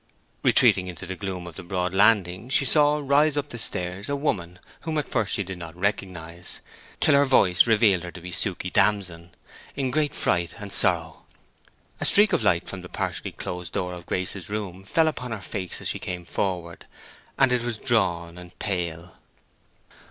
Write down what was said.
Retreating into the gloom of the broad landing she saw rise up the stairs a woman whom at first she did not recognize, till her voice revealed her to be Suke Damson, in great fright and sorrow. A streak of light from the partially closed door of Grace's room fell upon her face as she came forward, and it was drawn and pale.